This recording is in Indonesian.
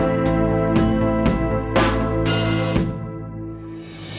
lalu dia ke sana